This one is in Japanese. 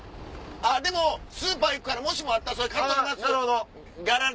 でもスーパー行くからもしもあったら買っときます。